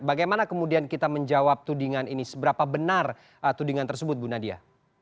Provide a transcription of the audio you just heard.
bagaimana kemudian kita menjawab tudingan ini seberapa benar tudingan tersebut bu nadia